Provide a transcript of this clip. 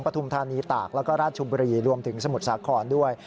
ปฐุมธานีตากแล้วก็ราชบุรีรวมถึงสมุทรสาครด้วย